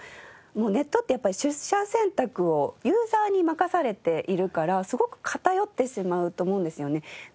ネットって取捨選択をユーザーに任されているからすごく偏ってしまうと思うんですよね。